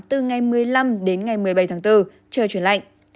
từ ngày một mươi năm đến ngày một mươi bảy tháng bốn trời chuyển lạnh